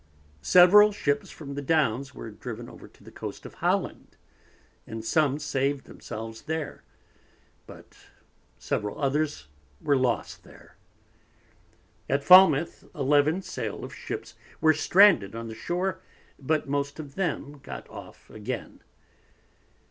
Several Ships from the Downs were driven over to the Coast of Holland, and some sav'd themselves there; but several others were lost there. At Falmouth 11 Sail of Ships were stranded on the Shoar, but most of them got off again.